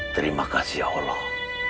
terima kasih ya allah